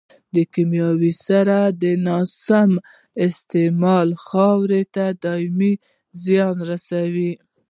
د کيمیاوي سرې ناسم استعمال خاورې ته دائمي زیان رسوي.